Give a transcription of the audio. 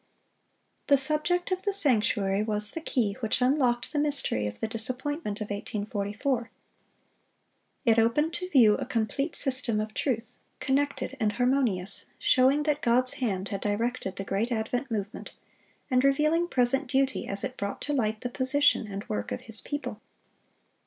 ] The subject of the sanctuary was the key which unlocked the mystery of the disappointment of 1844. It opened to view a complete system of truth, connected and harmonious, showing that God's hand had directed the great Advent Movement, and revealing present duty as it brought to light the position and work of His people.